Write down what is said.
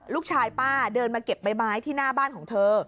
ลูกชายป้าเดินมาเก็บไม้ที่หน้าบ้านของเธอ